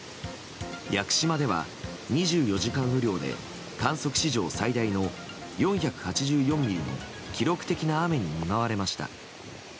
屋久島では２４時間雨量で観測史上最大の４８４ミリの記録的な雨に見舞われました。